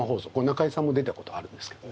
中居さんも出たことあるんですけど。